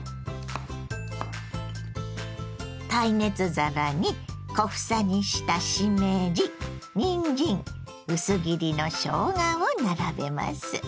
耐熱皿に小房にしたしめじにんじん薄切りのしょうがを並べます。